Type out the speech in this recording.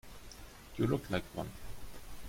You look like one.